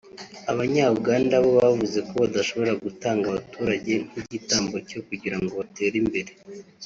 Abanya Uganda bo bavuze ko badashobora gutanga abaturage nk’igitambo cyo kugira ngo batere imbere